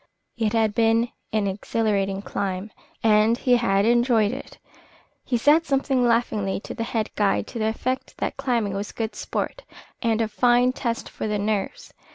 It had been an exhilarating climb, and he had enjoyed it. He said something laughingly to the head guide to the effect that climbing was good sport and a fine test for the nerves.